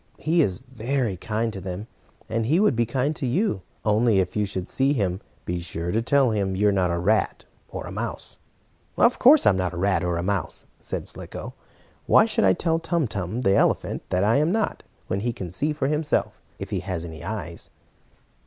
He is very kind to them, and he would be kind to you. Only, if you should see him, be sure to tell him you're not a rat or a mouse." "Of course I'm not a rat or a mouse," said Slicko. "Why should I tell Tum Tum, the elephant, that I am not, when he can see for himself, if he has any eyes?"